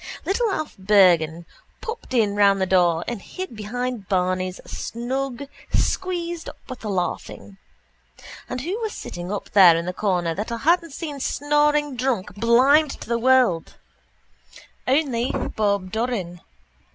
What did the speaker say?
Little Alf Bergan popped in round the door and hid behind Barney's snug, squeezed up with the laughing. And who was sitting up there in the corner that I hadn't seen snoring drunk blind to the world only Bob Doran.